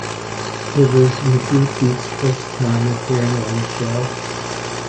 It was Mizuki's first time appearing on the show.